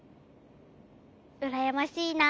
うらやましいな。